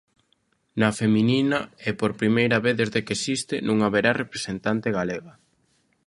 Na feminina, e por primeira vez desde que existe, non haberá representante galega.